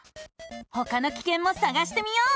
ほかのキケンもさがしてみよう！